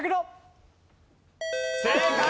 正解！